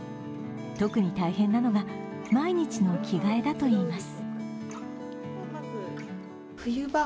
特に大変なのが毎日の着替えだといいます。